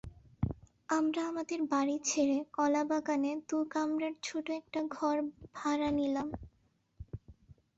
আমরা আমাদের বাড়ি ছেড়ে কলাবাগানে দু-কামরার ছোট একটা ঘর ভাড়া নিলাম।